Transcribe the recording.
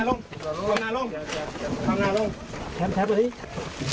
เดี๋ยวดูภาพตรงนี้หน่อยนะฮะเพราะว่าทีมขาวของเราไปกับชุดที่ไปเจอตัวในแหบแล้วจับได้พอดีเลยนะฮะ